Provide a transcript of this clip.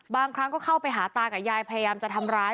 บางครั้งก็เข้าไปหาตากับยายพยายามจะทำร้าย